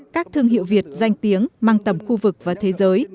các thương hiệu việt danh tiếng mang tầm khu vực và thế giới